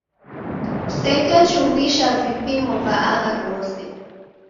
Kusekechumbisha vipimo va agha ghose.